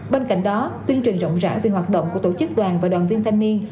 bên cạnh đó tuyên truyền rộng rãi về hoạt động của tổ chức đoàn và đoàn viên thanh niên